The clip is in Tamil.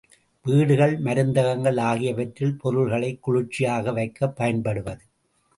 வீடுகள், மருந்தகங்கள் ஆகியவற்றில் பொருள்களைக் குளிர்ச்சியாக வைக்கப் பயன்படுவது.